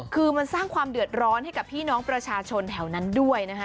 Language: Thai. คือมันสร้างความเดือดร้อนให้กับพี่น้องประชาชนแถวนั้นด้วยนะคะ